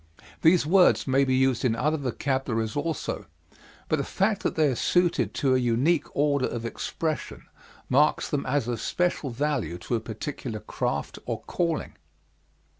These words may be used in other vocabularies also, but the fact that they are suited to a unique order of expression marks them as of special value to a particular craft or calling.